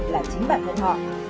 là chính bản thân họ